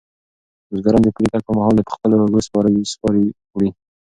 بزګران د پلي تګ پر مهال په خپلو اوږو سپارې وړي.